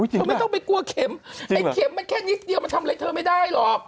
ไม่ต้องไปกลัวเข็มไอ้เข็มมันแค่นิดเดียวมันทำอะไรเธอไม่ได้หรอก